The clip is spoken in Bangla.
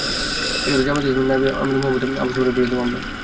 এটি হলো জামায়াতে ইসলামীর নায়েবে আমির মুহাম্মদ আবদুস সুবহানের বিরুদ্ধে মামলা।